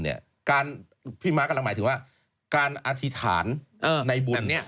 พี่ม้ากำลังหมายถึงว่าการอธิษฐานในบุญ